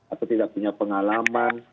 atau tidak punya pengalaman